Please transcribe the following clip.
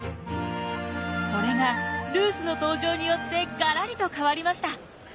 これがルースの登場によってガラリと変わりました。